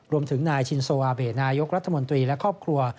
รวมถึงนายชินโซวาเบนายกรัฐมนตรีและครอบครัว